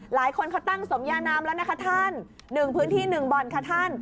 หลายคนเขาตั้งสมยานามแล้วนะคะท่าน๑พื้นที่๑บ่อนค่ะท่าน